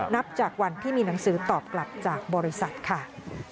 นับจากวันที่มีหนังสือตอบกลับจากบริษัทค่ะ